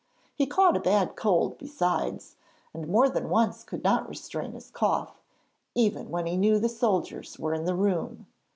He caught a bad cold besides, and more than once could not restrain his cough, even when he knew the soldiers were in the room.